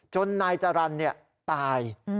จนนายจรรย์เนี่ยตาย